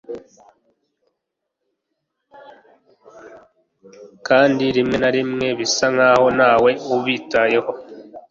kandi rimwe na rimwe bisa nkaho ntawe ubitayeho